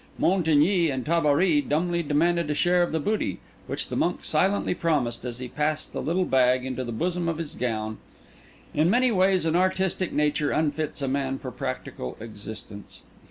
Montigny and Tabary dumbly demanded a share of the booty, which the monk silently promised as he passed the little bag into the bosom of his gown. In many ways an artistic nature unfits a man for practical existence.